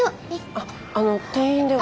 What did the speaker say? ああの店員では。